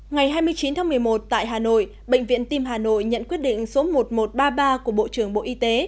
ngày hai mươi chín tháng một mươi một tại hà nội bệnh viện tim hà nội nhận quyết định số một nghìn một trăm ba mươi ba của bộ trưởng bộ y tế